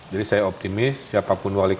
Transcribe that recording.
jadi saya optimis siapapun wali kota